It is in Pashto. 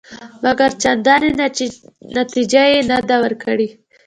مګر چندانې نتیجه یې نه ده ورکړې.